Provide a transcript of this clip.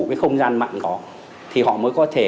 cái không gian mạng đó thì họ mới có thể